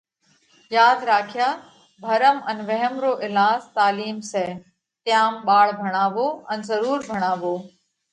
ياڌ راکيا ڀرم ان وهم رو ايلاز تعلِيم سئہ، تيام ٻاۯ ڀڻاوو ان ضرُور ڀڻاوو۔